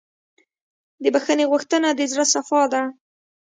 د بښنې غوښتنه د زړه صفا ده.